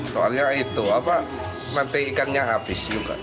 soalnya itu apa nanti ikannya habis juga